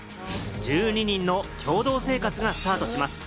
１２人の共同生活がスタートします。